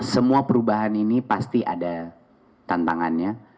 semua perubahan ini pasti ada tantangannya